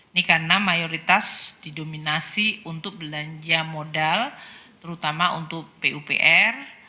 ini karena mayoritas didominasi untuk belanja modal terutama untuk pupr